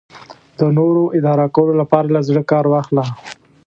د نورو اداره کولو لپاره له زړه کار واخله.